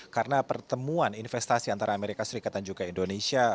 karena pertemuan investasi antara amerika serikat dan juga indonesia